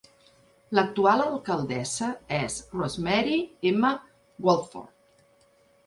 L'actual alcaldessa és Rosemarie M. Wolford.